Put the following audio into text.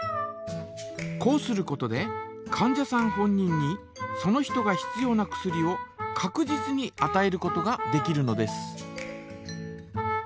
こうすることでかん者さん本人にその人が必要な薬をかく実にあたえることができるのです。